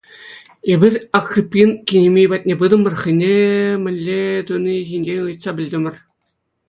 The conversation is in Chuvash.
Эпир Акриппин кинемей патне пытӑмӑр, хӑйне мӗнле туйни ҫинчен ыйтса пӗлтӗмӗр.